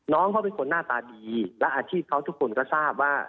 น้องเขาเป็นคนหน้าตาดีและอาชีพเขาทุกคนก็ทราบว่า